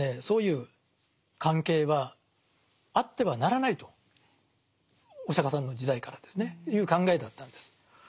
そういう関係はあってはならないとお釈迦さんの時代からですねいう考えだったんです。